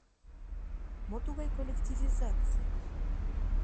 Мо тугай коллективизаций?